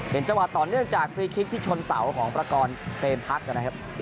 เป็นเจาะต่อเนื่องจากคลีอิคฟที่ชนเสาของพระกรเฟรมพลักต์นะครับ